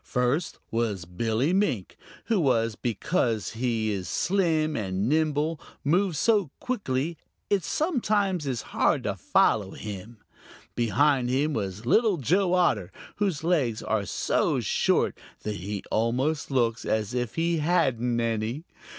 First was Billy Mink, who, because he is slim and nimble, moves so quickly it sometimes is hard to follow him. Behind him was Little Joe Otter, whose legs are so short that he almost looks as if he hadn't any.